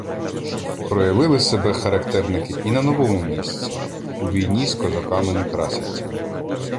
Проявили себе характерники і на новому місці — у війні з козаками-некрасівцями.